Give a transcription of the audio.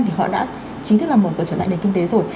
thì họ đã chính thức là mở cửa trở lại nền kinh tế rồi